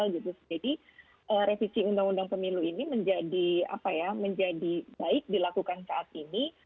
jadi revisi undang undang pemilu ini menjadi baik dilakukan saat ini